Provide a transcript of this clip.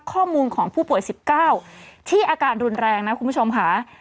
ข้อมูลของผู้ป่วย๑๙ที่อาการรุนแรงนะคุณผู้ชมค่ะ